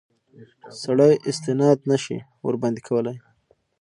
سړی استناد نه شي ورباندې کولای.